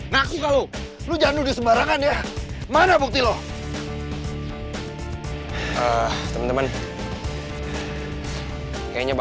gak tau obar sama ni mana